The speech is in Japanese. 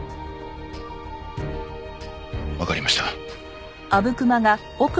わかりました。